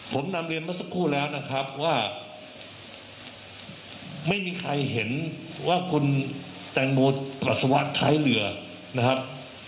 ผมนำเรียนมาสักครู่แล้วนะครับว่าไม่มีใครเห็นว่าคุณแตงโมปัสสาวะท้ายเรือนะครับ